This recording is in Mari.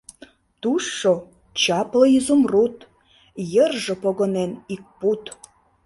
Тушшо — чапле изумруд, Йырже погынен ик пуд.